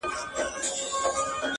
د هر پلار كيسه د زوى په وينو سره ده!.